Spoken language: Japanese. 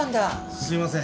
すいません。